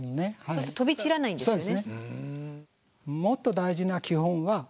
そうすると飛び散らないんですね。